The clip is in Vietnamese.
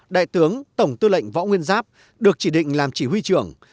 đại tướng tổng tư lệnh võ nguyên giáp được chỉ định làm chỉ huy trưởng